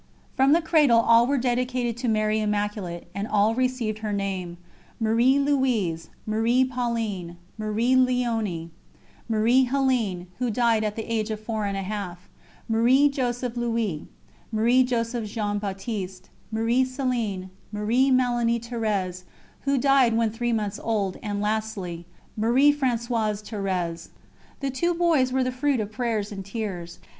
From the cradle all were dedicated to Mary Immaculate, and all received her name: Marie Louise, Marie Pauline, Marie Léonie, Marie Hélène, who died at the age of four and a half, Marie Joseph Louis, Marie Joseph Jean Baptiste, Marie Céline, Marie Mélanie Therèse, who died when three months old, and lastly, Marie Françoise Thérèse. The two boys were the fruit of prayers and tears.